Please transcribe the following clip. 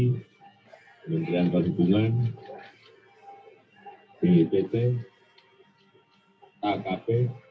kementerian perhubungan bppt akp